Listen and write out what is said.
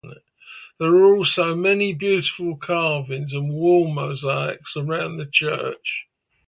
There are also many beautiful carvings and wall mosaics around the church.